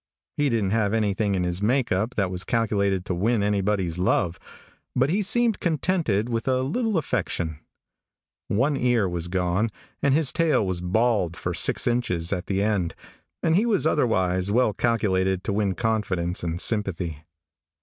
He didn't have anything in his make up that was calculated to win anybody's love, but he seemed contented with a little affection, one ear was gone and his tail was bald for six inches at the end, and he was otherwise well calculated to win confidence and sympathy.